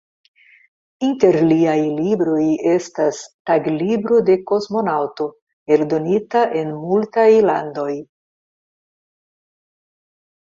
Inter liaj libroj estas "Taglibro de kosmonaŭto", eldonita en multaj landoj.